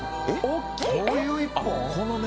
どういう１本？